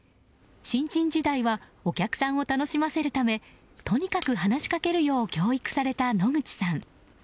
新人時代はお客さんを楽しませるためとにかく話しかけるよう教育された野口さん。